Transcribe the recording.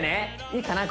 いいかな？